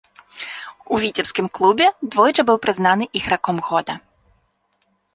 У віцебскім клубе двойчы быў прызнаны іграком года.